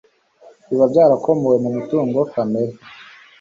biba byarakomowe mu mutungo kamere